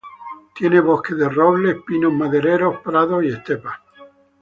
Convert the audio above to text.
Tiene bosques de robles, pinos madereros, prados y estepas.